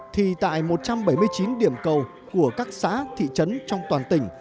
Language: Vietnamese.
thì tại một trăm bảy mươi chín điểm cầu của các xã thị trấn trong toàn tỉnh